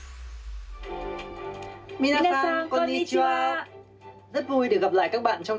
皆さんこんにちは！